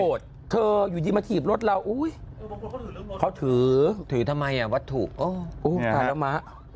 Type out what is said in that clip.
โอ๊ยเธออยู่ดีมาขีบรถเราโอ๊ยเขาถือถือทำไมอ่ะวัตถุโอ๊ยตายแล้วมะ